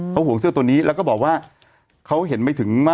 เขาห่วงเสื้อตัวนี้แล้วก็บอกว่าเขาเห็นไม่ถึง